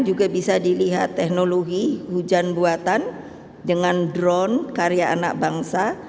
juga bisa dilihat teknologi hujan buatan dengan drone karya anak bangsa